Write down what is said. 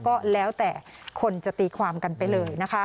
ก็แล้วแต่คนจะตีความกันไปเลยนะคะ